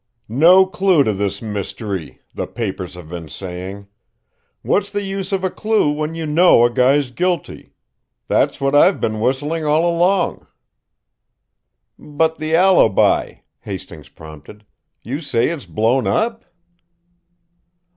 'No clue to this mystery,' the papers have been saying! What's the use of a clue when you know a guy's guilty? That's what I've been whistling all along!" "But the alibi?" Hastings prompted. "You say it's blown up?"